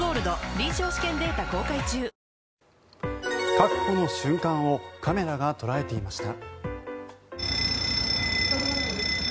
確保の瞬間をカメラが捉えていました。